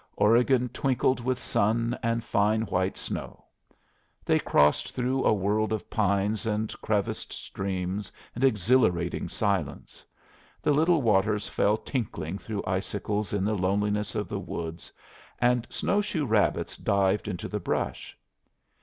Oregon twinkled with sun and fine white snow. They crossed through a world of pines and creviced streams and exhilarating silence. The little waters fell tinkling through icicles in the loneliness of the woods, and snowshoe rabbits dived into the brush.